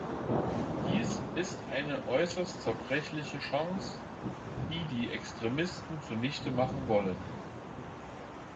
Dies ist eine äußerst zerbrechliche Chance, die die Extremisten zunichte machen wollen.